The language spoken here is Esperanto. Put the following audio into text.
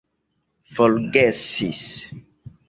forgesis